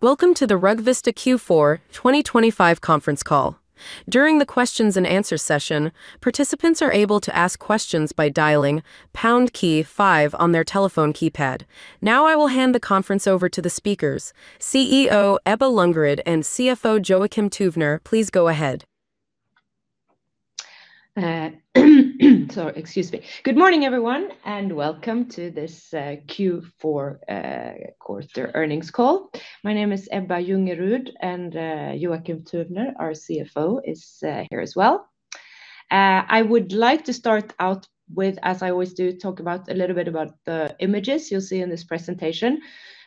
Welcome to the Rugvista Q4 2025 conference call. During the questions and answer session, participants are able to ask questions by dialing pound key five on their telephone keypad. Now, I will hand the conference over to the speakers, CEO Ebba Ljungerud and CFO Joakim Tuvner, please go ahead. So excuse me. Good morning, everyone, and welcome to this Q4 quarter earnings call. My name is Ebba Ljungerud, and Joakim Tuvner, our CFO, is here as well. I would like to start out with, as I always do, talk about a little bit about the images you'll see in this presentation.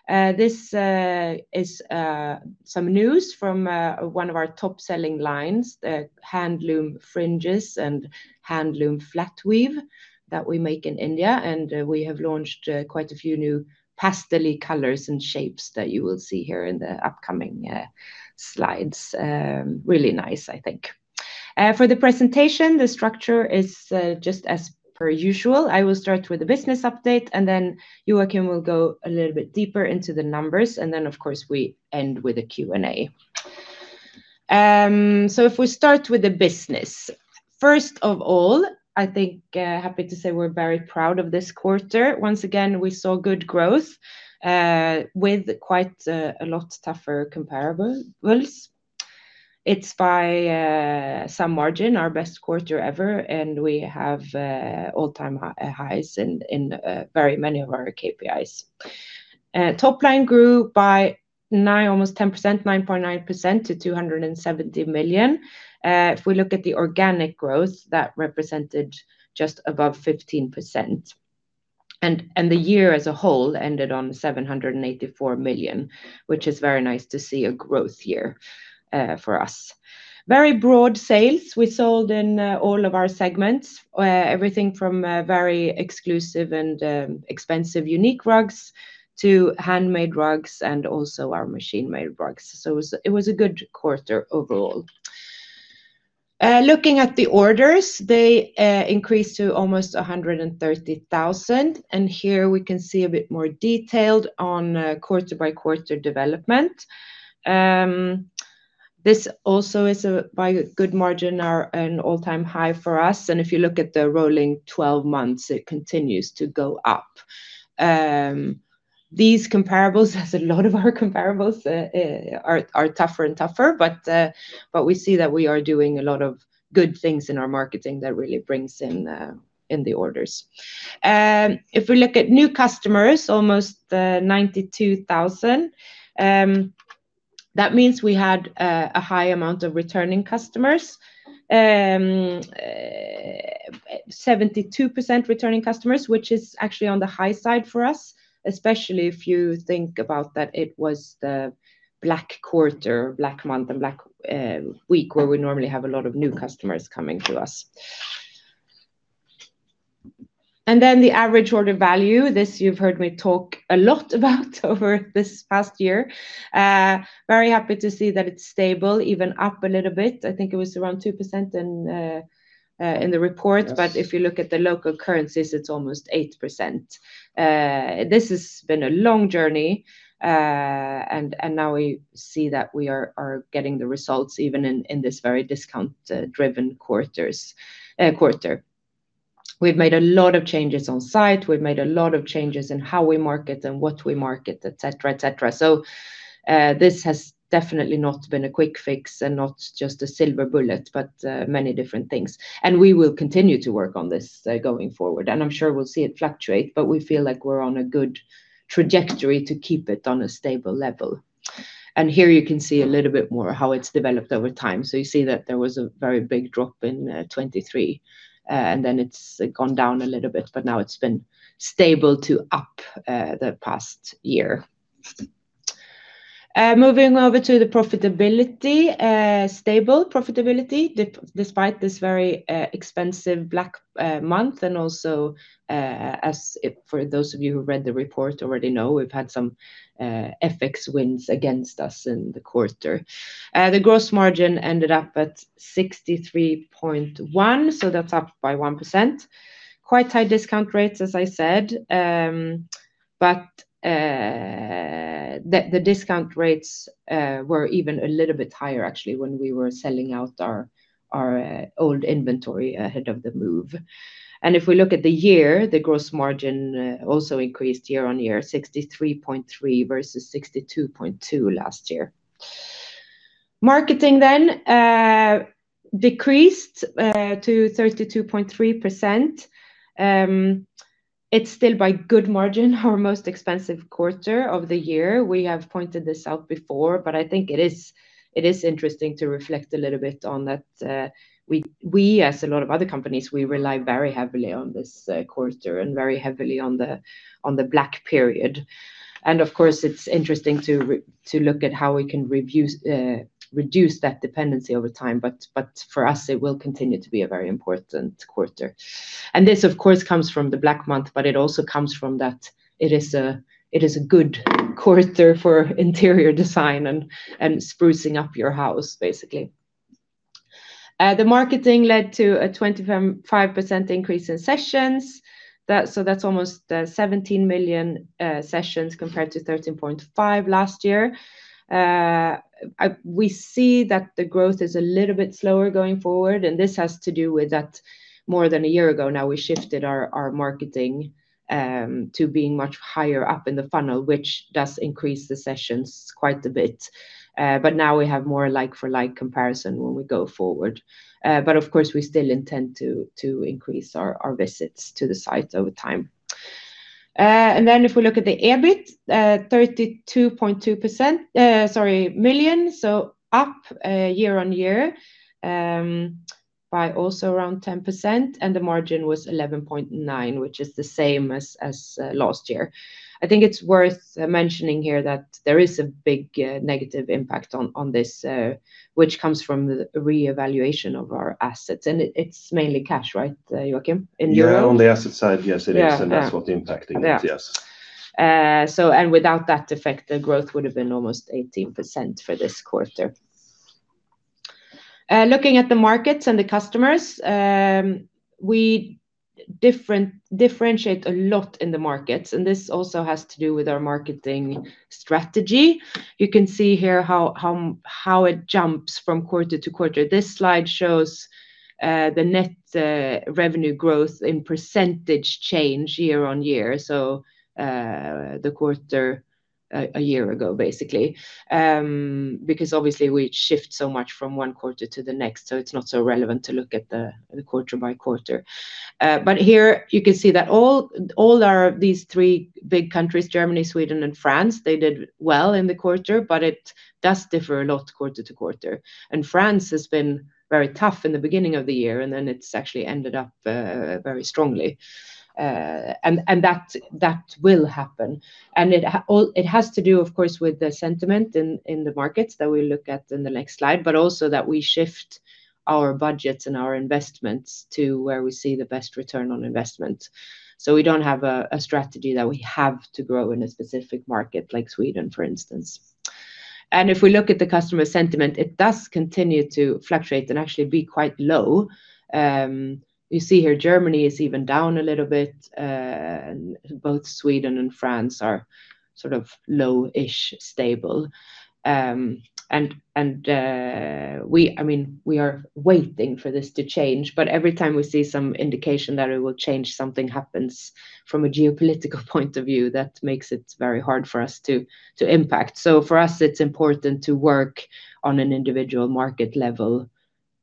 This is some news from one of our top-selling lines, the Handloom Fringes and Handloom Flatweave that we make in India, and we have launched quite a few new pastely colors and shapes that you will see here in the upcoming slides. Really nice, I think. For the presentation, the structure is just as per usual. I will start with a business update, and then Joakim will go a little bit deeper into the numbers, and then, of course, we end with a Q&A. So if we start with the business. First of all, I think happy to say we're very proud of this quarter. Once again, we saw good growth with quite a lot tougher comparables. It's by some margin our best quarter ever, and we have all-time highs in very many of our KPIs. Top line grew by 9, almost 10%, 9.9% to 270 million. If we look at the organic growth, that represented just above 15%. And the year as a whole ended on 784 million, which is very nice to see a growth year for us. Very broad sales. We sold in all of our segments, everything from very exclusive and expensive unique rugs to handmade rugs and also our machine-made rugs. So it was, it was a good quarter overall. Looking at the orders, they increased to almost 130,000, and here we can see a bit more detailed on quarter-by-quarter development. This also is, by a good margin, an all-time high for us, and if you look at the rolling twelve months, it continues to go up. These comparables, as a lot of our comparables, are tougher and tougher, but we see that we are doing a lot of good things in our marketing that really brings in the orders. If we look at new customers, almost 92,000, that means we had a high amount of returning customers. 72% returning customers, which is actually on the high side for us, especially if you think about that it was the black quarter, Black Month, and Black Week, where we normally have a lot of new customers coming to us. And then the average order value, this you've heard me talk a lot about over this past year. Very happy to see that it's stable, even up a little bit. I think it was around 2% in the report. Yes. But if you look at the local currencies, it's almost 8%. This has been a long journey, and now we see that we are getting the results even in this very discount driven quarter. We've made a lot of changes on site. We've made a lot of changes in how we market and what we market, etc., etc. So, this has definitely not been a quick fix and not just a silver bullet, but many different things. And we will continue to work on this going forward, and I'm sure we'll see it fluctuate, but we feel like we're on a good trajectory to keep it on a stable level. And here you can see a little bit more how it's developed over time. So you see that there was a very big drop in 2023, and then it's gone down a little bit, but now it's been stable to up the past year. Moving over to the profitability, stable profitability, despite this very expensive Black Month, and also, as for those of you who read the report already know, we've had some FX wins against us in the quarter. The gross margin ended up at 63.1, so that's up by 1%. Quite high discount rates, as I said, but the discount rates were even a little bit higher, actually, when we were selling out our old inventory ahead of the move. If we look at the year, the gross margin also increased year-on-year, 63.3% versus 62.2% last year. Marketing then decreased to 32.3%. It's still by good margin our most expensive quarter of the year. We have pointed this out before, but I think it is interesting to reflect a little bit on that. We, as a lot of other companies, rely very heavily on this quarter and very heavily on the black period. And of course, it's interesting to re- to look at how we can review reduce that dependency over time, but for us, it will continue to be a very important quarter. This, of course, comes from the Black Month, but it also comes from that it is a good quarter for interior design and sprucing up your house, basically. The marketing led to a 25% increase in sessions. That's almost 17 million sessions compared to 13.5 last year. We see that the growth is a little bit slower going forward, and this has to do with that more than a year ago now, we shifted our marketing to being much higher up in the funnel, which does increase the sessions quite a bit. But now we have more like-for-like comparison when we go forward. But of course, we still intend to increase our visits to the site over time. Then if we look at the EBIT, 32.2%—sorry, SEK 32.2 million, so up year-on-year by also around 10%, and the margin was 11.9%, which is the same as last year. I think it's worth mentioning here that there is a big negative impact on this, which comes from the reevaluation of our assets, and it, it's mainly cash, right, Joakim, in your- Yeah, on the asset side, yes, it is. Yeah. And that's what impacting it. Yeah. Yes. So and without that effect, the growth would have been almost 18% for this quarter. Looking at the markets and the customers, we differentiate a lot in the markets, and this also has to do with our marketing strategy. You can see here how it jumps from quarter to quarter. This slide shows the net revenue growth in percentage change year-on-year, so the quarter a year ago, basically. Because obviously we shift so much from one quarter to the next, so it's not so relevant to look at the quarter by quarter. But here you can see that all our these three big countries, Germany, Sweden, and France, they did well in the quarter, but it does differ a lot quarter to quarter. France has been very tough in the beginning of the year, and then it's actually ended up very strongly. And that will happen. And it has to do, of course, with the sentiment in the markets that we look at in the next slide, but also that we shift our budgets and our investments to where we see the best return on investment. So we don't have a strategy that we have to grow in a specific market like Sweden, for instance. And if we look at the customer sentiment, it does continue to fluctuate and actually be quite low. You see here, Germany is even down a little bit, and both Sweden and France are sort of low-ish, stable. I mean, we are waiting for this to change, but every time we see some indication that it will change, something happens from a geopolitical point of view that makes it very hard for us to impact. So for us, it's important to work on an individual market level,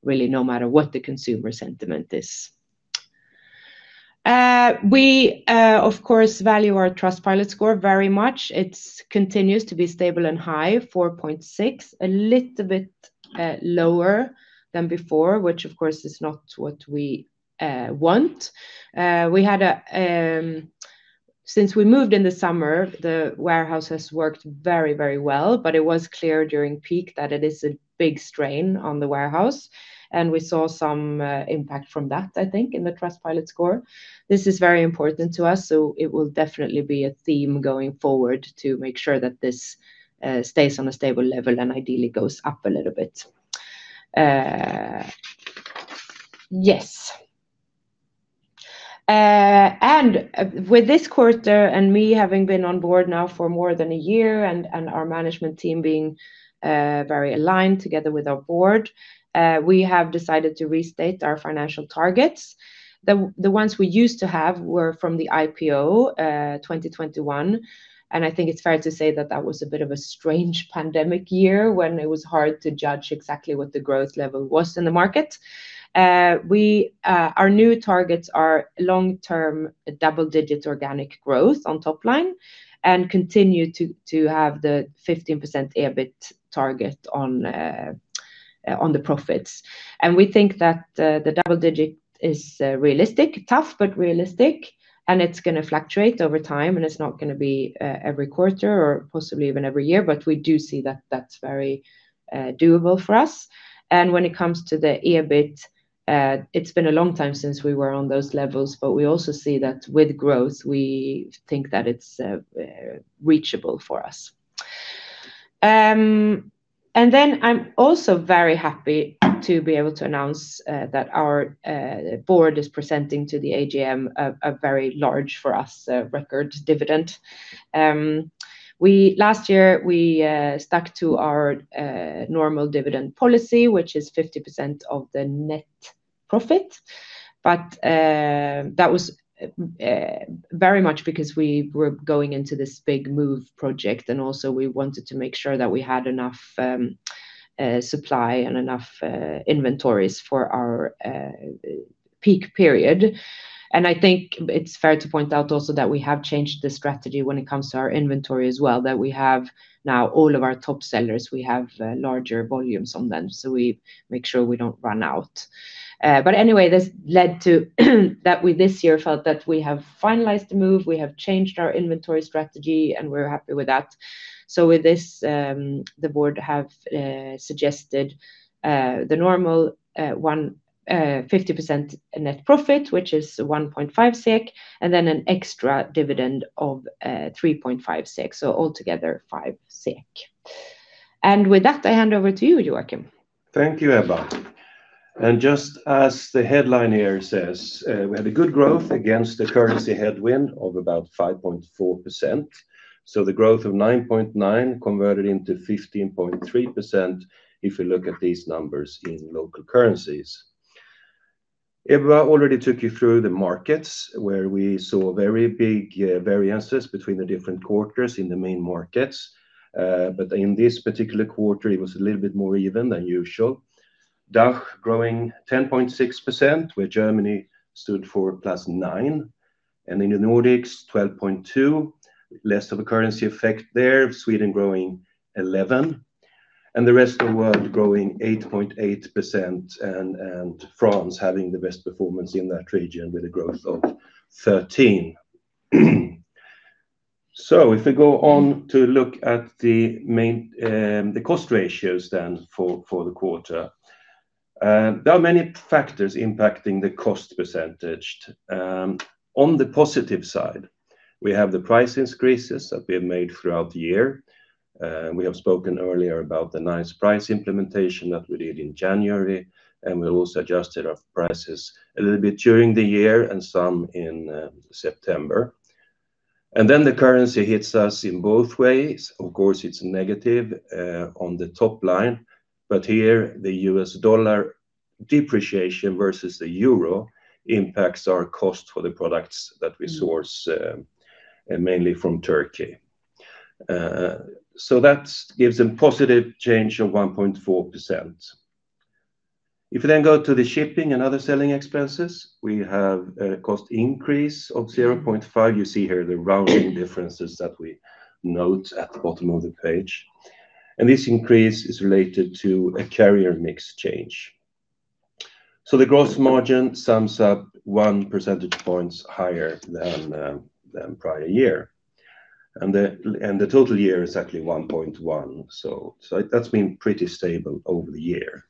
really, no matter what the consumer sentiment is. We, of course, value our Trustpilot score very much. It continues to be stable and high, 4.6, a little bit lower than before, which of course is not what we want. We had a... Since we moved in the summer, the warehouse has worked very, very well, but it was clear during peak that it is a big strain on the warehouse, and we saw some impact from that, I think, in the Trustpilot score. This is very important to us, so it will definitely be a theme going forward to make sure that this stays on a stable level and ideally goes up a little bit. Yes. And with this quarter, and me having been on board now for more than a year, and our management team being very aligned together with our board, we have decided to restate our financial targets. The ones we used to have were from the IPO, 2021, and I think it's fair to say that that was a bit of a strange pandemic year when it was hard to judge exactly what the growth level was in the market. Our new targets are long-term, double-digit organic growth on top line and continue to have the 15% EBIT target on the profits. We think that the double-digit is realistic, tough, but realistic, and it's gonna fluctuate over time, and it's not gonna be every quarter or possibly even every year, but we do see that that's very doable for us. And when it comes to the EBIT, it's been a long time since we were on those levels, but we also see that with growth, we think that it's reachable for us. And then I'm also very happy to be able to announce that our board is presenting to the AGM a very large, for us, a record dividend. Last year, we stuck to our normal dividend policy, which is 50% of the net profit, but that was very much because we were going into this big move project, and also we wanted to make sure that we had enough supply and enough inventories for our peak period. I think it's fair to point out also that we have changed the strategy when it comes to our inventory as well, that we have now all of our top sellers, we have larger volumes on them, so we make sure we don't run out. Anyway, this led to that we this year felt that we have finalized the move, we have changed our inventory strategy, and we're happy with that. So with this, the board have suggested the normal 150% net profit, which is 1.5 SEK, and then an extra dividend of 3.5 SEK. So altogether, 5 SEK. And with that, I hand over to you, Joakim. Thank you, Ebba. Just as the headline here says, we had a good growth against the currency headwind of about 5.4%. So the growth of 9.9 converted into 15.3% if you look at these numbers in local currencies. Ebba already took you through the markets, where we saw very big variances between the different quarters in the main markets. But in this particular quarter, it was a little bit more even than usual. DACH growing 10.6%, where Germany stood for +9, and in the Nordics, 12.2. Less of a currency effect there, Sweden growing 11, and the rest of the world growing 8.8%, and, and France having the best performance in that region with a growth of 13. So if we go on to look at the main, the cost ratios then for the quarter, there are many factors impacting the cost percentage. On the positive side, we have the price increases that we have made throughout the year. We have spoken earlier about the nice price implementation that we did in January, and we also adjusted our prices a little bit during the year and some in September. And then the currency hits us in both ways. Of course, it's negative on the top line, but here, the U.S. dollar depreciation versus the euro impacts our cost for the products that we source mainly from Turkey. So that gives a positive change of 1.4%. If you then go to the shipping and other selling expenses, we have a cost increase of 0.5. You see here the rounding differences that we note at the bottom of the page, and this increase is related to a carrier mix change. So the gross margin sums up 1 percentage point higher than prior year, and the total year is actually 1.1, so that's been pretty stable over the year.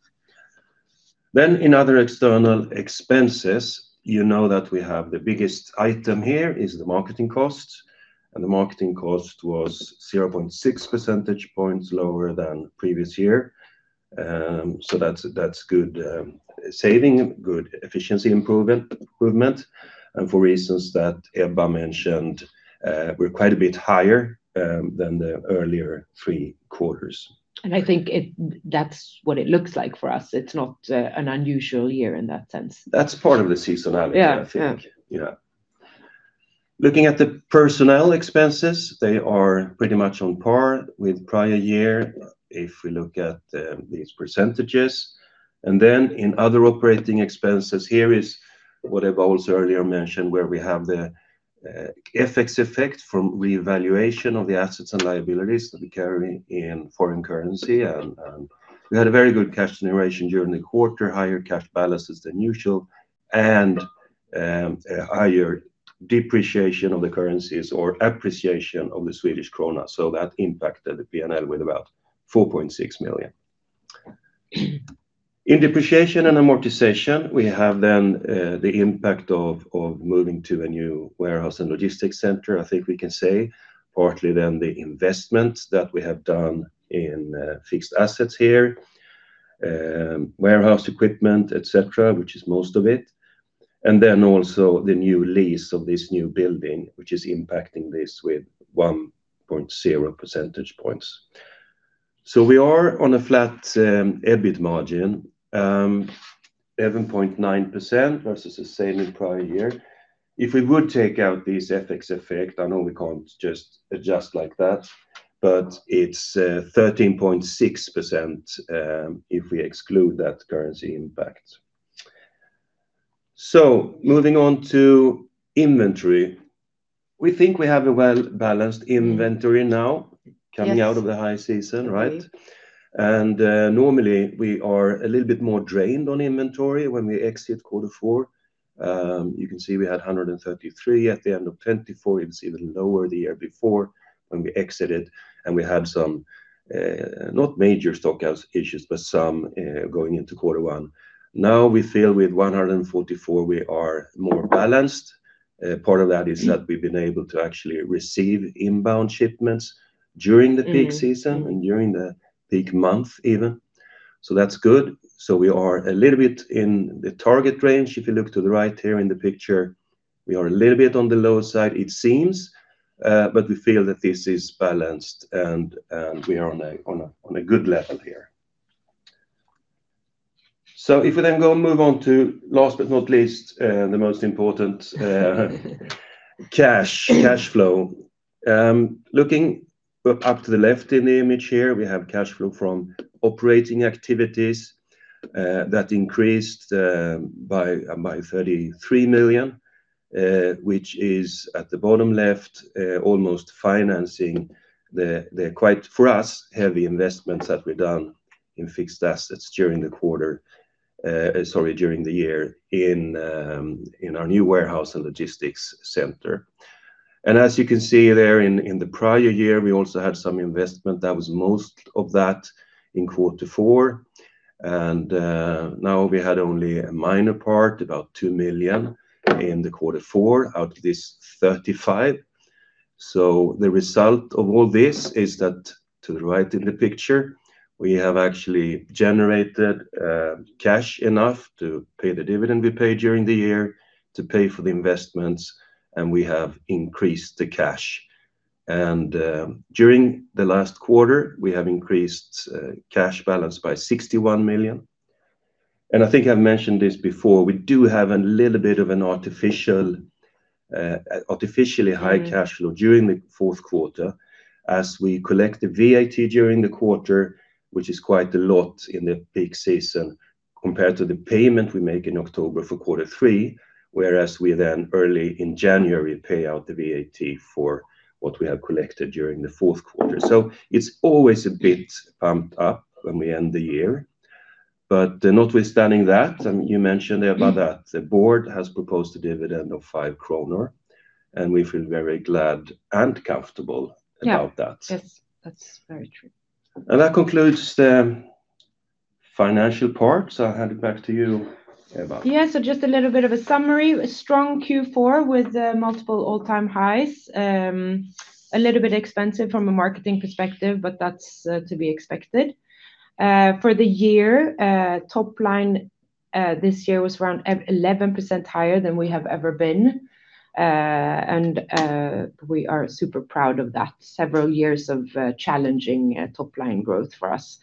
Then in other external expenses, you know that we have the biggest item here is the marketing cost, and the marketing cost was 0.6 percentage point lower than previous year. So that's good saving, good efficiency improvement, and for reasons that Ebba mentioned, we're quite a bit higher than the earlier three quarters. I think that's what it looks like for us. It's not an unusual year in that sense. That's part of the seasonality, I think. Yeah. Yeah. Yeah. Looking at the personnel expenses, they are pretty much on par with prior year if we look at these percentages. And then in other operating expenses, here is what I've also earlier mentioned, where we have the FX effect from revaluation of the assets and liabilities that we carry in foreign currency. And we had a very good cash generation during the quarter, higher cash balances than usual, and a higher depreciation of the currencies or appreciation of the Swedish krona. So that impacted the P&L with about 4.6 million. In depreciation and amortization, we have then the impact of moving to a new warehouse and logistics center, I think we can say. Partly then, the investment that we have done in fixed assets here, warehouse equipment, et cetera, which is most of it, and then also the new lease of this new building, which is impacting this with 1.0 percentage points. So we are on a flat EBIT margin, 7.9% versus the same in prior year. If we would take out this FX effect, I know we can't just adjust like that, but it's 13.6%, if we exclude that currency impact. So moving on to inventory. We think we have a well-balanced inventory now- Yes coming out of the high season, right? Mm-hmm. Normally, we are a little bit more drained on inventory when we exit quarter four. You can see we had 133 at the end of 2024. It's even lower the year before when we exited, and we had some, not major stock-out issues, but some, going into quarter one. Now, we feel with 144, we are more balanced. Part of that is that we've been able to actually receive inbound shipments during the peak season- Mm-hmm and during the peak month even. So that's good. So we are a little bit in the target range. If you look to the right here in the picture, we are a little bit on the lower side, it seems, but we feel that this is balanced, and we are on a good level here. So if we then go move on to last but not least, the most important, cash flow. Looking up to the left in the image here, we have cash flow from operating activities that increased by 33 million, which is at the bottom left, almost financing the quite, for us, heavy investments that we've done in fixed assets during the quarter, sorry, during the year in our new warehouse and logistics center. As you can see there, in the prior year, we also had some investment in quarter four, and now we had only a minor part, about 2 million, in quarter four out of this 35. So the result of all this is that, to the right in the picture, we have actually generated cash enough to pay the dividend we paid during the year, to pay for the investments, and we have increased the cash. During the last quarter, we have increased cash balance by 61 million. I think I've mentioned this before, we do have a little bit of an artificial, artificially high cash- Mm flow during the fourth quarter, as we collect the VAT during the quarter, which is quite a lot in the peak season, compared to the payment we make in October for quarter three, whereas we then, early in January, pay out the VAT for what we have collected during the fourth quarter. So it's always a bit pumped up when we end the year. But notwithstanding that, and you mentioned about that, the board has proposed a dividend of 5 kronor, and we feel very glad and comfortable. Yeah -about that. Yes, that's very true. That concludes the financial part, so I'll hand it back to you, Ebba. Yeah, so just a little bit of a summary. A strong Q4 with multiple all-time highs. A little bit expensive from a marketing perspective, but that's to be expected. For the year, top line, this year was around 11% higher than we have ever been. And we are super proud of that. Several years of challenging top-line growth for us.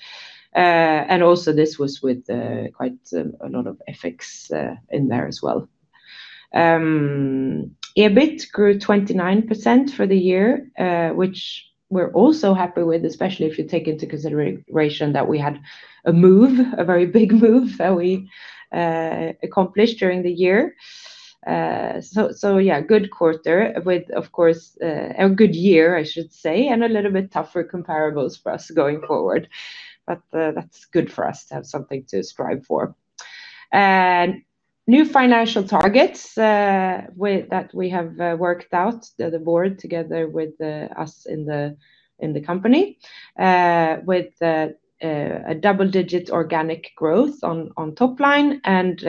And also, this was with quite a lot of headwinds in there as well. EBIT grew 29% for the year, which we're also happy with, especially if you take into consideration the situation that we had a move, a very big move that we accomplished during the year. So yeah, good quarter with, of course, a good year, I should say, and a little bit tougher comparables for us going forward. But that's good for us to have something to strive for. New financial targets with that we have worked out, the board, together with us in the company. With a double-digit organic growth on top line and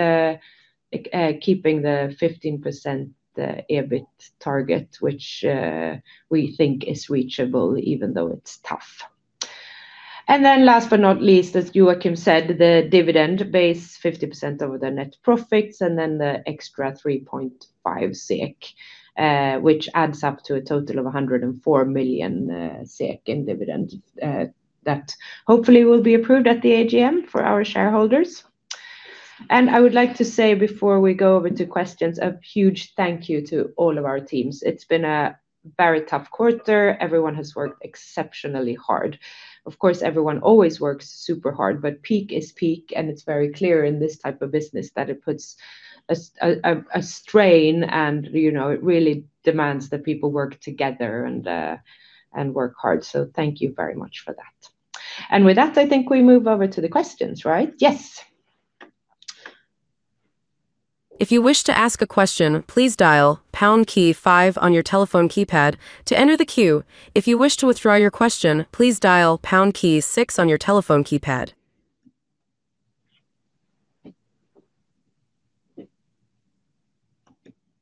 keeping the 15% EBIT target, which we think is reachable, even though it's tough. And then last but not least, as Joakim said, the dividend base, 50% over the net profits, and then the extra 3.5 SEK, which adds up to a total of 104 million SEK in dividend, that hopefully will be approved at the AGM for our shareholders. I would like to say, before we go over to questions, a huge thank you to all of our teams. It's been a very tough quarter. Everyone has worked exceptionally hard. Of course, everyone always works super hard, but peak is peak, and it's very clear in this type of business that it puts a strain and, you know, it really demands that people work together and work hard. So thank you very much for that. And with that, I think we move over to the questions, right? Yes. If you wish to ask a question, please dial pound key five on your telephone keypad to enter the queue. If you wish to withdraw your question, please dial pound key six on your telephone keypad.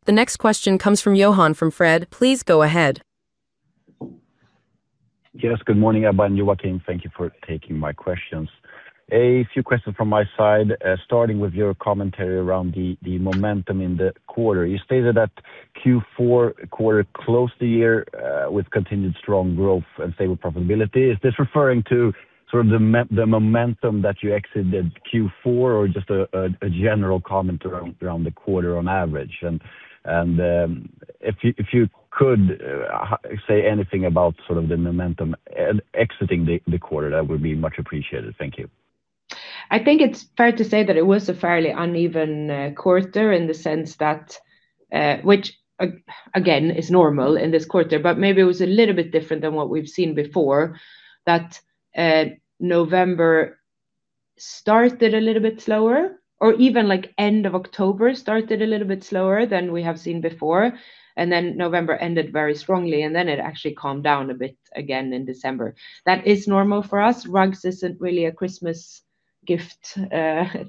The next question comes from Johan Fred. Please go ahead. Yes, good morning, Ebba and Joakim. Thank you for taking my questions. A few questions from my side, starting with your commentary around the momentum in the quarter. You stated that Q4 quarter closed the year with continued strong growth and stable profitability. Is this referring to sort of the momentum that you exited Q4, or just a general comment around the quarter on average? And if you could say anything about sort of the momentum exiting the quarter, that would be much appreciated. Thank you. I think it's fair to say that it was a fairly uneven quarter in the sense that, which, again, is normal in this quarter, but maybe it was a little bit different than what we've seen before, that November started a little bit slower, or even like end of October started a little bit slower than we have seen before, and then November ended very strongly, and then it actually calmed down a bit again in December. That is normal for us. Rugs isn't really a Christmas gift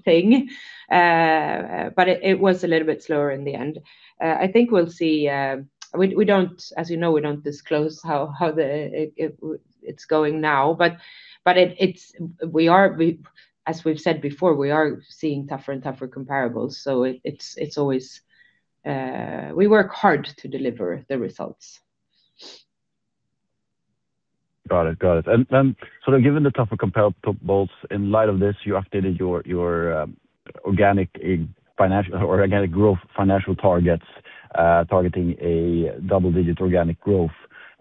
thing, but it was a little bit slower in the end. I think we'll see... We don't, as you know, we don't disclose how it's going now, but it's, as we've said before, we are seeing tougher and tougher comparables, so it's always, we work hard to deliver the results. Got it. Got it. And, and so given the tougher comparables, in light of this, you updated your, your, organic, financial or organic growth financial targets, targeting a double-digit organic growth.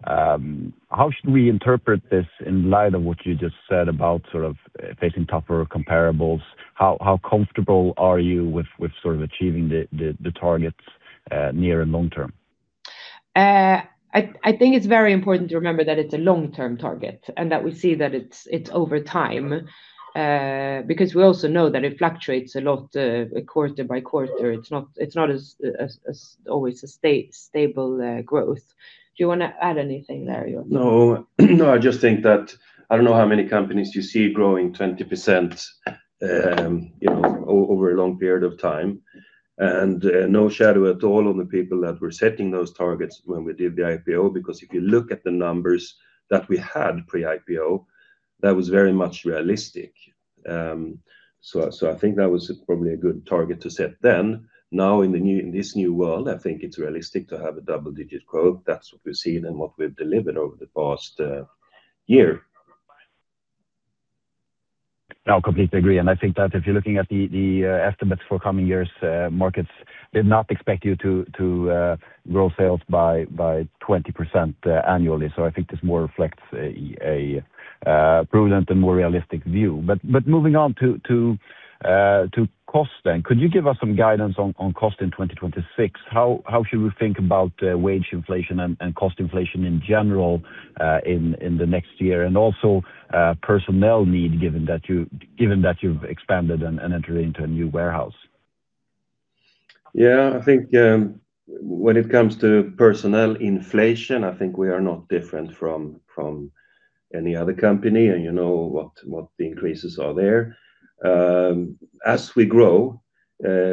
How should we interpret this in light of what you just said about sort of facing tougher comparables? How comfortable are you with sort of achieving the targets near and long term? I think it's very important to remember that it's a long-term target, and that we see that it's over time, because we also know that it fluctuates a lot, quarter by quarter. It's not as always a stable growth. Do you wanna add anything there, Joakim? No. No, I just think that I don't know how many companies you see growing 20%, you know, over a long period of time. And no shadow at all on the people that were setting those targets when we did the IPO, because if you look at the numbers that we had pre-IPO, that was very much realistic. So I think that was probably a good target to set then. Now, in this new world, I think it's realistic to have a double-digit growth. That's what we've seen and what we've delivered over the past year. I completely agree, and I think that if you're looking at the estimates for coming years, markets, they not expect you to grow sales by 20% annually. So I think this more reflects a prudent and more realistic view. Moving on to cost then. Could you give us some guidance on cost in 2026? How should we think about wage inflation and cost inflation in general in the next year? And also personnel need, given that you've expanded and entered into a new warehouse. Yeah, I think, when it comes to personnel inflation, I think we are not different from any other company, and you know what the increases are there. As we grow,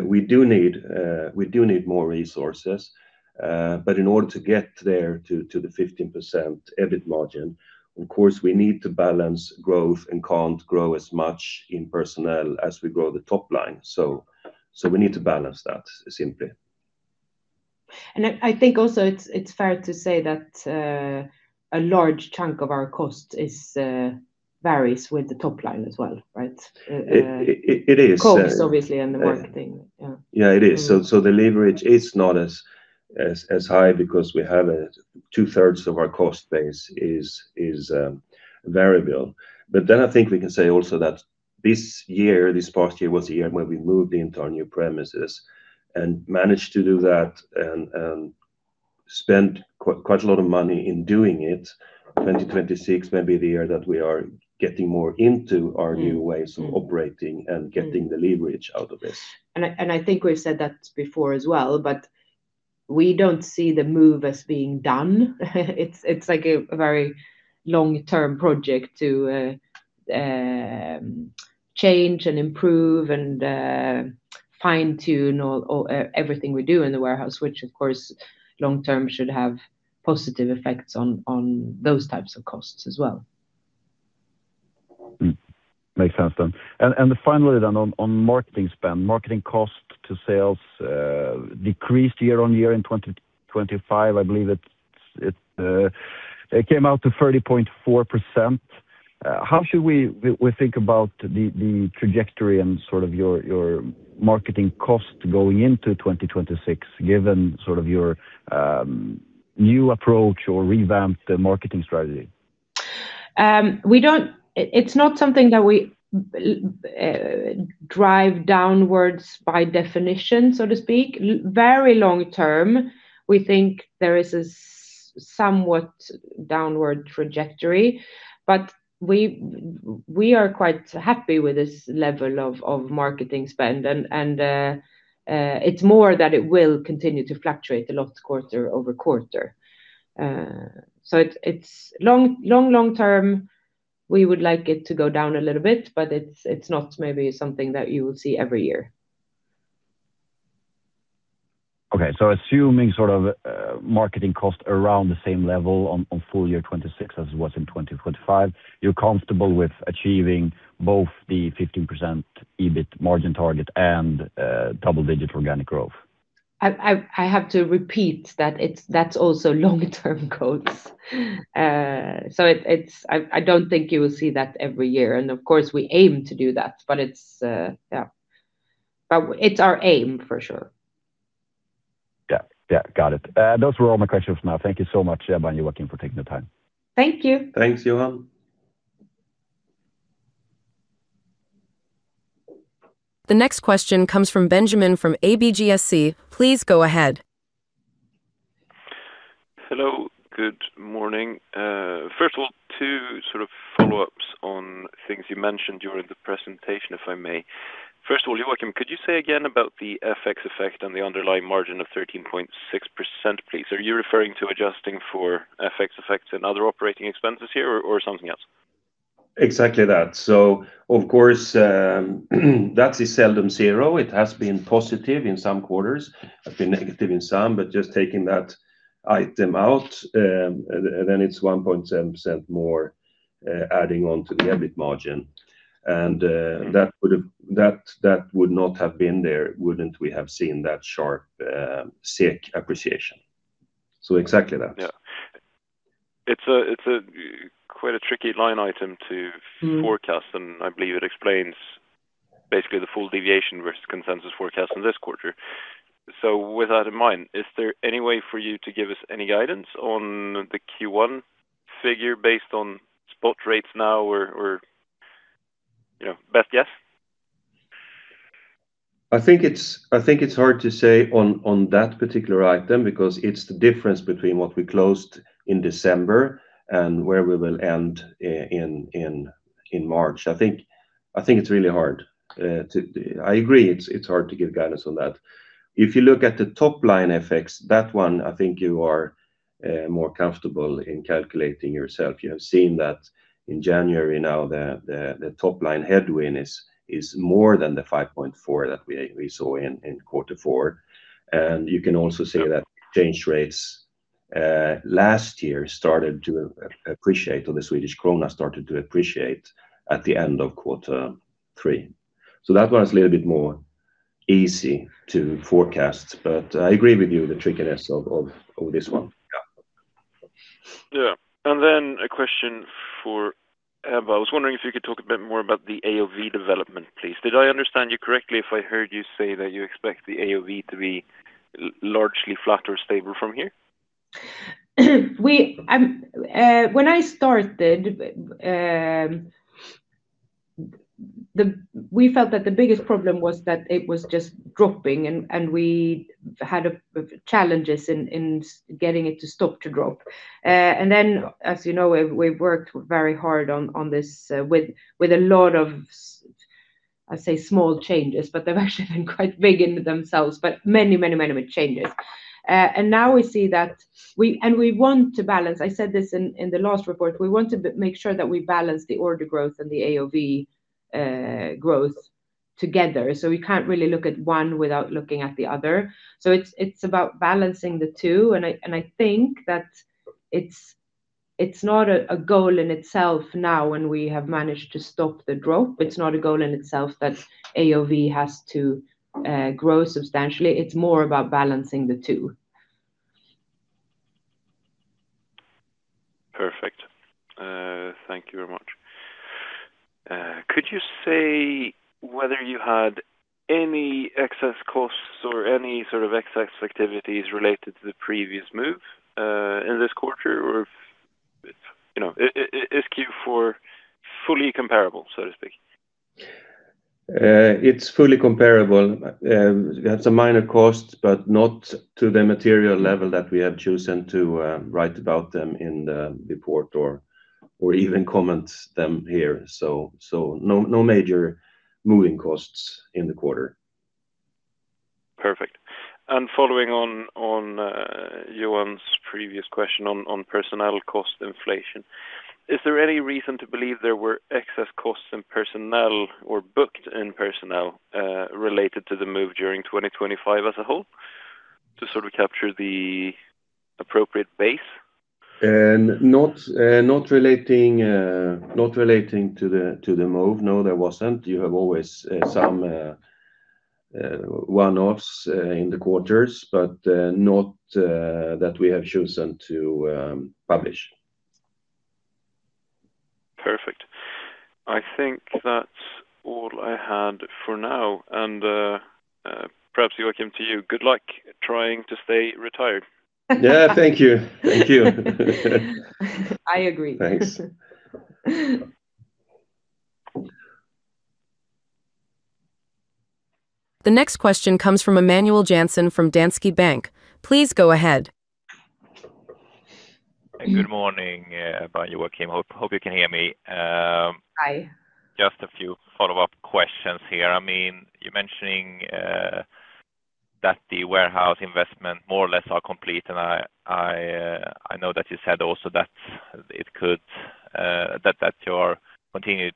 we do need more resources, but in order to get there, to the 15% EBIT margin, of course, we need to balance growth and can't grow as much in personnel as we grow the top line. So, we need to balance that, simply. I, I think also it's, it's fair to say that a large chunk of our cost is varies with the top line as well, right? It is. Cost, obviously, and the marketing. Yeah. Yeah, it is. So the leverage is not as high because we have 2/3 of our cost base is variable. But then I think we can say also that this year, this past year, was a year when we moved into our new premises and managed to do that and spent quite a lot of money in doing it. 2026 may be the year that we are getting more into our new ways- Mm-hmm... of operating and getting the leverage out of this. I think we've said that before as well, but we don't see the move as being done. It's like a very long-term project to change and improve and fine-tune everything we do in the warehouse, which of course, long-term should have positive effects on those types of costs as well. Mm. Makes sense then. And finally, on marketing spend, marketing cost to sales, decreased year-on-year in 2025. I believe it came out to 30.4%. How should we think about the trajectory and sort of your marketing cost going into 2026, given sort of your new approach or revamped marketing strategy? We don't... It's not something that we drive downwards by definition, so to speak. Very long term, we think there is a somewhat downward trajectory, but we are quite happy with this level of marketing spend, and it's more that it will continue to fluctuate a lot quarter-over-quarter. So it's long term, we would like it to go down a little bit, but it's not maybe something that you will see every year. Okay. So assuming sort of, marketing cost around the same level on, on full year 2026 as it was in 2025, you're comfortable with achieving both the 15% EBIT margin target and, double-digit organic growth? I have to repeat that it's, that's also long-term goals. So it's... I don't think you will see that every year, and of course, we aim to do that, but it's, yeah. But it's our aim for sure. Yeah, yeah. Got it. Those were all my questions now. Thank you so much, Evan, Joakim, for taking the time. Thank you. Thanks, Johan. The next question comes from Benjamin, from ABGSC. Please go ahead. Hello, good morning. First of all, two sort of follow-ups on things you mentioned during the presentation, if I may. First of all, Joakim, could you say again about the FX effect on the underlying margin of 13.6%, please? Are you referring to adjusting for FX effects and other operating expenses here or, or something else? Exactly that. So of course, that is seldom zero. It has been positive in some quarters, have been negative in some, but just taking that item out, and then it's 1.7% more, adding on to the EBIT margin. And that would not have been there, wouldn't we have seen that sharp SEK appreciation. So exactly that. Yeah. It's quite a tricky line item to- Mm... forecast, and I believe it explains basically the full deviation versus consensus forecast in this quarter. With that in mind, is there any way for you to give us any guidance on the Q1 figure based on spot rates now or, or, you know, best guess? I think it's hard to say on that particular item, because it's the difference between what we closed in December and where we will end in March. I think it's really hard to—I agree, it's hard to give guidance on that. If you look at the top line effects, that one, I think you are more comfortable in calculating yourself. You have seen that in January now, the top line headwind is more than the 5.4 that we saw in quarter four. And you can also see that exchange rates last year started to appreciate, or the Swedish krona started to appreciate at the end of quarter three. So that one is a little bit more easy to forecast, but I agree with you, the trickiness of this one. Yeah. Yeah, and then a question for Ebba. I was wondering if you could talk a bit more about the AOV development, please. Did I understand you correctly if I heard you say that you expect the AOV to be largely flat or stable from here? When I started, we felt that the biggest problem was that it was just dropping and we had challenges in getting it to stop dropping. And then, as you know, we've worked very hard on this with a lot of, I say small changes, but they've actually been quite big in themselves, but many, many, many changes. And now we see that we want to balance. I said this in the last report, we want to make sure that we balance the order growth and the AOV growth together. So we can't really look at one without looking at the other. So it's about balancing the two, and I think that it's not a goal in itself now, when we have managed to stop the drop. It's not a goal in itself that AOV has to grow substantially. It's more about balancing the two. Perfect. Thank you very much. Could you say whether you had any excess costs or any sort of excess activities related to the previous move in this quarter? Or if, you know, is Q four fully comparable, so to speak? It's fully comparable. We had some minor costs, but not to the material level that we have chosen to write about them in the report or even comment them here. So, no major moving costs in the quarter. Perfect. And following on Johan's previous question on personnel cost inflation. Is there any reason to believe there were excess costs in personnel or booked in personnel, related to the move during 2025 as a whole, to sort of capture the appropriate base? Not relating to the move, no, there wasn't. You have always some one-offs in the quarters, but not that we have chosen to publish. Perfect. I think that's all I had for now, and perhaps Joakim to you. Good luck trying to stay retired. Yeah, thank you. Thank you. I agree. Thanks. The next question comes from Emanuel Jansson from Danske Bank. Please go ahead. Good morning, Joakim. Hope you can hear me. Hi. Just a few follow-up questions here. I mean, you're mentioning that the warehouse investment more or less are complete, and I know that you said also that it could... That you are continuing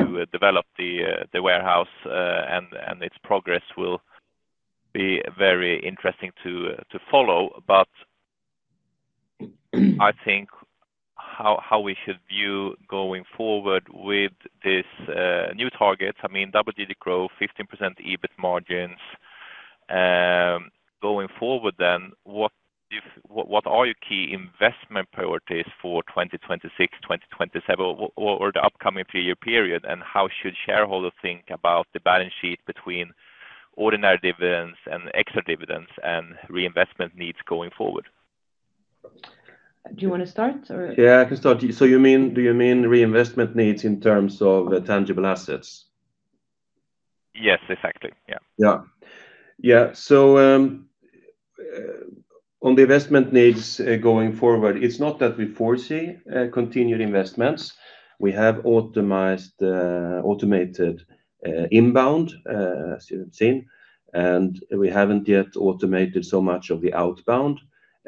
to develop the warehouse, and its progress will be very interesting to follow. But I think how we should view going forward with this new target, I mean, double-digit growth, 15% EBIT margins. Going forward then, what are your key investment priorities for 2026, 2027, or the upcoming three-year period? And how should shareholders think about the balance sheet between ordinary dividends and extra dividends and reinvestment needs going forward? Do you want to start or? Yeah, I can start. You mean, do you mean reinvestment needs in terms of tangible assets? Yes, exactly. Yeah. Yeah. Yeah, so, on the investment needs, going forward, it's not that we foresee continued investments. We have automated inbound, as you have seen, and we haven't yet automated so much of the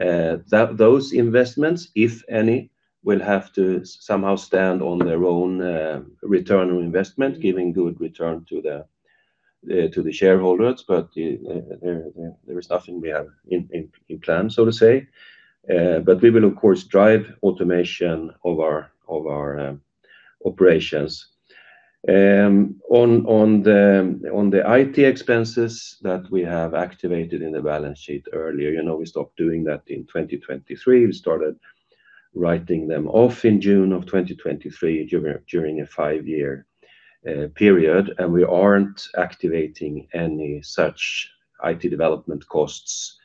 outbound. Those investments, if any, will have to somehow stand on their own return on investment, giving good return to the shareholders. But, there is nothing we have in plan, so to say. But we will of course drive automation of our operations. On the IT expenses that we have activated in the balance sheet earlier, you know, we stopped doing that in 2023. We started writing them off in June of 2023, during a five-year period, and we aren't activating any such IT development costs.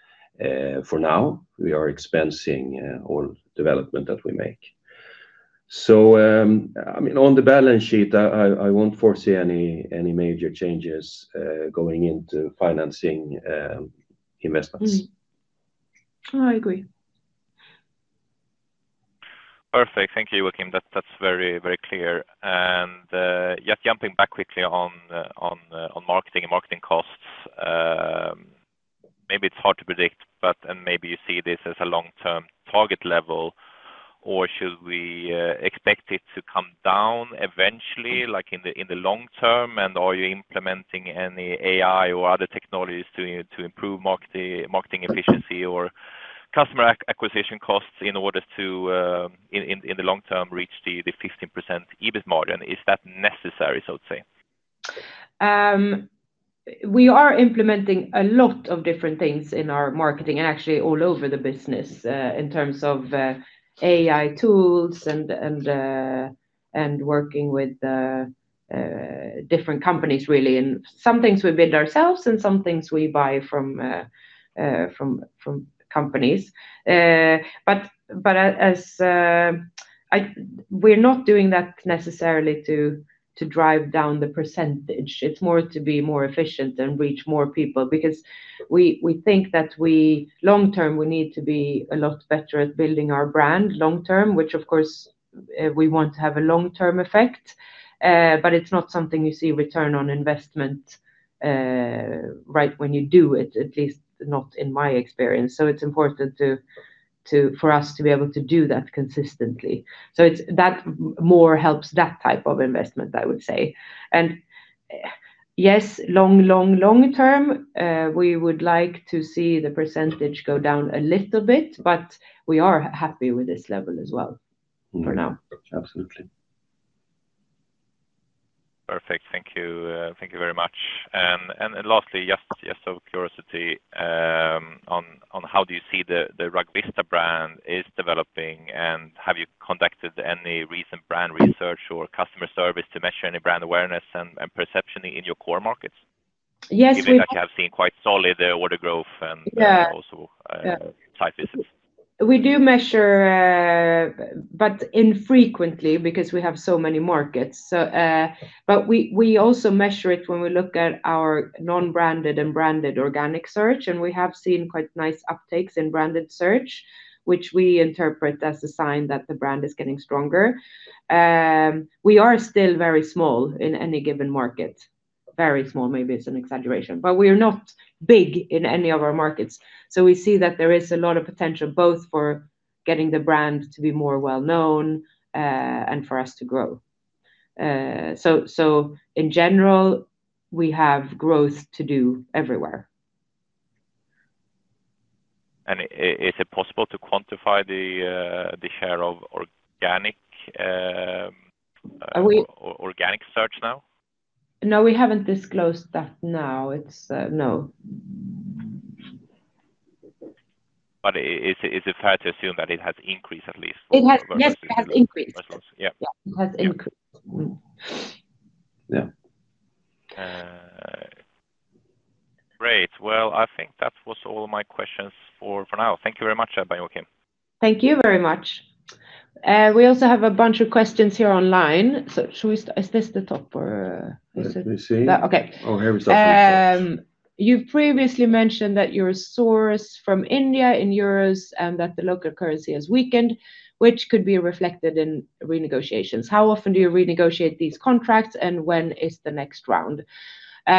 For now, we are expensing all development that we make. So, I mean, on the balance sheet, I won't foresee any major changes going into financing investments. Mm-hmm. I agree. Perfect. Thank you, Joakim. That's, that's very, very clear. And just jumping back quickly on marketing and marketing costs, maybe it's hard to predict, but and maybe you see this as a long-term target level, or should we expect it to come down eventually, like in the long term? And are you implementing any AI or other technologies to improve marketing efficiency or customer acquisition costs in order to in the long term, reach the 15% EBIT margin? Is that necessary, so to say? We are implementing a lot of different things in our marketing and actually all over the business, in terms of AI tools and working with different companies really. And some things we build ourselves and some things we buy from companies. But we're not doing that necessarily to drive down the percentage. It's more to be more efficient and reach more people, because we think that long term, we need to be a lot better at building our brand long term, which of course we want to have a long-term effect. But it's not something you see return on investment right when you do it, at least not in my experience. So it's important for us to be able to do that consistently. So it's that more helps that type of investment, I would say. And yes, long, long, long term, we would like to see the percentage go down a little bit, but we are happy with this level as well for now. Absolutely. Perfect. Thank you. Thank you very much. And lastly, just, just out of curiosity, on, on how do you see the, the Rugvista brand is developing, and have you conducted any recent brand research or customer service to measure any brand awareness and, and perception in your core markets? Yes, we have- Even if we have seen quite solid order growth and- Yeah... also, side business. We do measure, but infrequently because we have so many markets. So, but we, we also measure it when we look at our non-branded and branded organic search, and we have seen quite nice uptakes in branded search, which we interpret as a sign that the brand is getting stronger. We are still very small in any given market. Very small, maybe it's an exaggeration, but we are not big in any of our markets. So we see that there is a lot of potential, both for getting the brand to be more well-known, and for us to grow. So, in general, we have growth to do everywhere. Is it possible to quantify the share of organic? Are we- organic search now? No, we haven't disclosed that now. It's, no. But is it fair to assume that it has increased, at least? It has. Yes, it has increased. Yeah. Yeah, it has increased. Yeah. Great. Well, I think that was all my questions for now. Thank you very much, Ebba and Joakim. Thank you very much. We also have a bunch of questions here online. So should we is this the top or is it? Let me see. Okay. Oh, here we start. You've previously mentioned that your source from India in euros and that the local currency has weakened, which could be reflected in renegotiations. How often do you renegotiate these contracts, and when is the next round?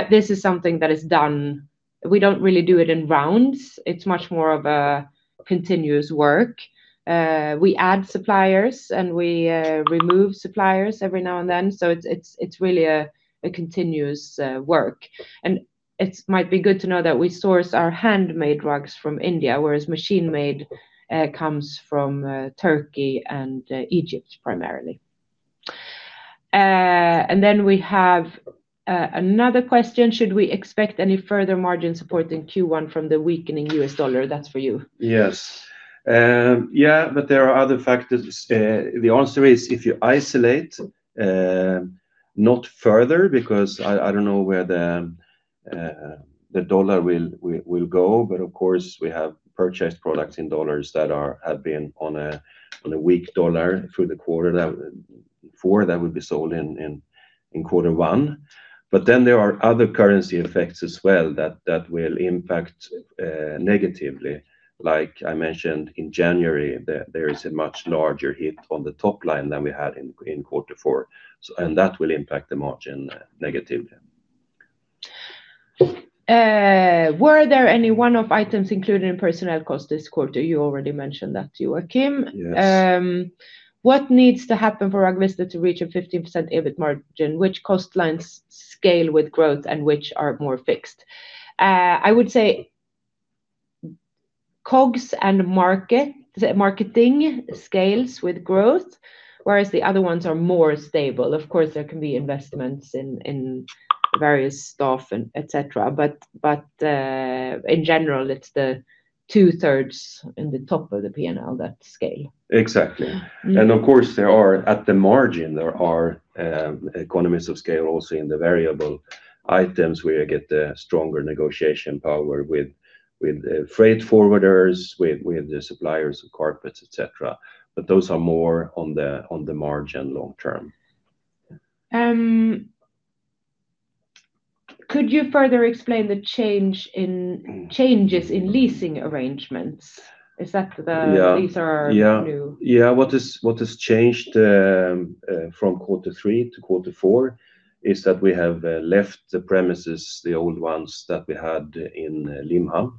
This is something that is done. We don't really do it in rounds. It's much more of a continuous work. We add suppliers, and we remove suppliers every now and then. So it's really a continuous work. And it might be good to know that we source our handmade rugs from India, whereas machine-made comes from Turkey and Egypt, primarily. And then we have another question: Should we expect any further margin support in Q1 from the weakening U.S. dollar? That's for you. Yes. Yeah, but there are other factors. The answer is, if you isolate, not further, because I don't know where the U.S. dollar will go, but of course, we have purchased products in U.S. dollars that have been on a weak U.S. dollar through the quarter, that would be sold in quarter one. But then there are other currency effects as well that will impact negatively. Like I mentioned, in January, there is a much larger hit on the top line than we had in quarter four, so, and that will impact the margin negatively. Were there any one-off items included in personnel costs this quarter? You already mentioned that, Joakim. Yes. What needs to happen for Rugvista to reach a 15% EBIT margin? Which cost lines scale with growth and which are more fixed? I would say, COGS and marketing scales with growth, whereas the other ones are more stable. Of course, there can be investments in various stuff and et cetera, but in general, it's the 2/3 in the top of the PNL that scale. Exactly. Mm. Of course, there are, at the margin, economies of scale also in the variable items, where you get the stronger negotiation power with the freight forwarders, with the suppliers of carpets, et cetera. But those are more on the margin long term. Could you further explain the change in, changes in leasing arrangements? Is that the- Yeah. These are new? Yeah, yeah. What is, what has changed from quarter three to quarter four is that we have left the premises, the old ones that we had in Limhamn.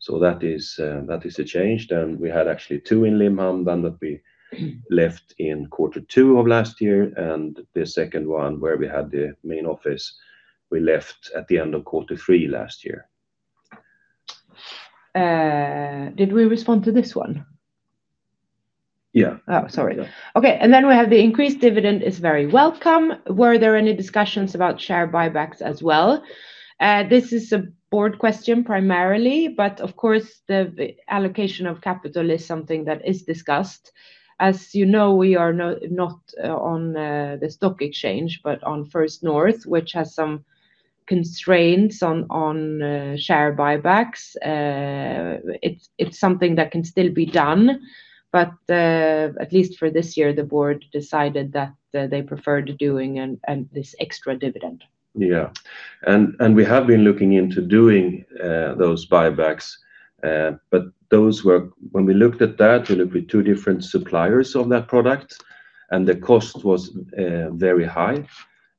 So that is, that is a change. And we had actually two in Limhamn, one that we left in quarter two of last year, and the second one, where we had the main office, we left at the end of quarter three last year. Did we respond to this one? Yeah. Oh, sorry. Okay, and then we have the increased dividend is very welcome. Were there any discussions about share buybacks as well? This is a board question primarily, but of course, the allocation of capital is something that is discussed. As you know, we are not on the stock exchange, but on First North, which has some constraints on share buybacks. It's something that can still be done, but at least for this year, the board decided that they preferred doing and this extra dividend. Yeah. And we have been looking into doing those buybacks. But those were... When we looked at that, we looked with two different suppliers of that product, and the cost was very high.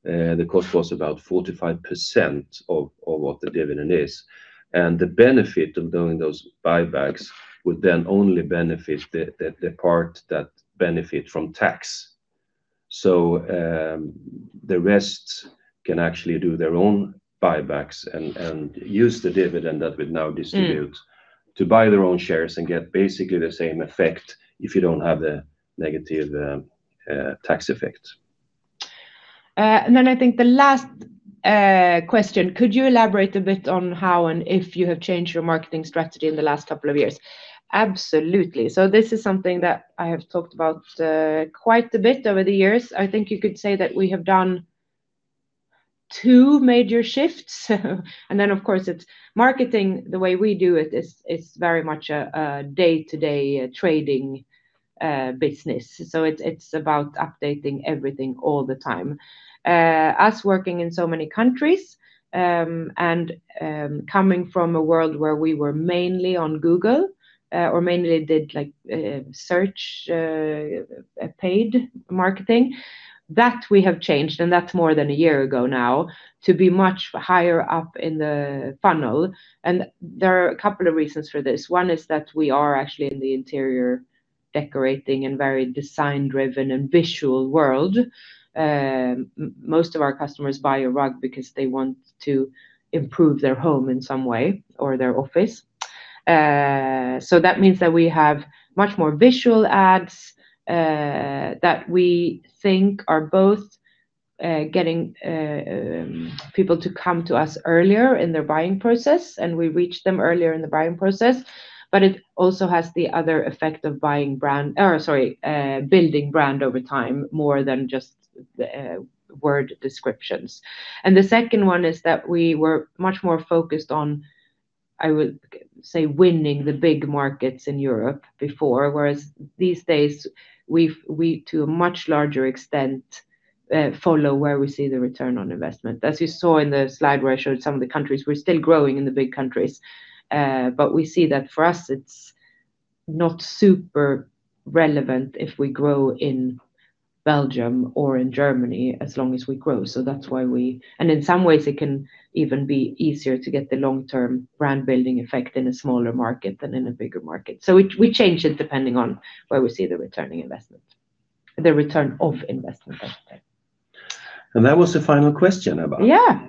The cost was about 45% of what the dividend is. And the benefit of doing those buybacks would then only benefit the part that benefit from tax. So, the rest can actually do their own buybacks and use the dividend that we've now distributed- Mm... to buy their own shares and get basically the same effect if you don't have the negative tax effect. And then I think the last question, could you elaborate a bit on how and if you have changed your marketing strategy in the last couple of years? Absolutely. So this is something that I have talked about quite a bit over the years. I think you could say that we have done two major shifts. Then, of course, it's marketing. The way we do it is very much a day-to-day trading business. So it's about updating everything all the time. Us working in so many countries and coming from a world where we were mainly on Google or mainly did, like, search paid marketing, we have changed, and that's more than a year ago now, to be much higher up in the funnel. There are a couple of reasons for this. One is that we are actually in the interior decorating and very design-driven and visual world. Most of our customers buy a rug because they want to improve their home in some way or their office. So that means that we have much more visual ads that we think are both getting people to come to us earlier in their buying process, and we reach them earlier in the buying process, but it also has the other effect of buying brand, or, sorry, building brand over time, more than just the word descriptions. The second one is that we were much more focused on, I would say, winning the big markets in Europe before, whereas these days, we, to a much larger extent, follow where we see the return on investment. As you saw in the slide where I showed some of the countries, we're still growing in the big countries, but we see that for us, it's not super relevant if we grow in Belgium or in Germany as long as we grow. So that's why we... And in some ways, it can even be easier to get the long-term brand building effect in a smaller market than in a bigger market. So we, we change it depending on where we see the return on investment, the return on investment, I should say. That was the final question about- Yeah.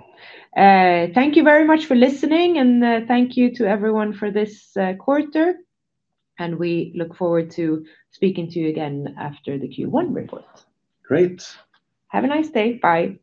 Thank you very much for listening, and thank you to everyone for this quarter. And we look forward to speaking to you again after the Q1 report. Great. Have a nice day. Bye. Bye.